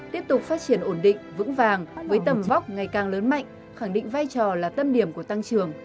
tiếp tục phát triển ổn định vững vàng với tầm vóc ngày càng lớn mạnh khẳng định vai trò là tâm điểm của tăng trưởng